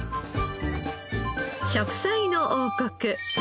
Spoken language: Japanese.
『食彩の王国』。